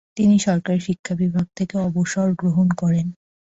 তিনি সরকারী শিক্ষা-বিভাগ থেকে অবসর-গ্ৰহণ করেন।